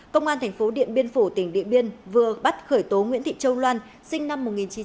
công an thành phố điện biên phủ tỉnh điện biên vừa bắt khởi tố nguyễn thị châu loan sinh năm một nghìn chín trăm tám mươi